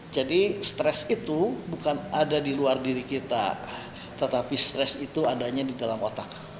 jadi stres itu bukan ada di luar diri kita tetapi stres itu adanya di dalam otak